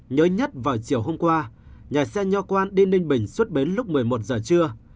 nhớ nhất vào chiều hôm qua nhà xe nho quan đi ninh bình xuất bến lúc một mươi một giờ trưa